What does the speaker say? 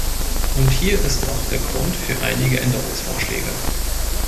Und hier ist auch der Grund für einige Änderungsvorschläge.